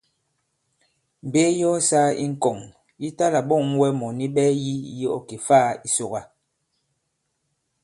Mbe yi ɔ sāa i ŋkɔ̀ŋ yi ta-là-ɓɔ᷇ŋ wɛ mɔ̀ni ɓɛɛ yî yi ɔ kè-faā i Sòkà.